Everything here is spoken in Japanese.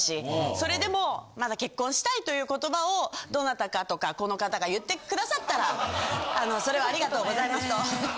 それでもまだ結婚したいという言葉をどなたかとかこの方が言ってくださったらそれはありがとうございますと。